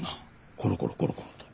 コロコロコロコロと。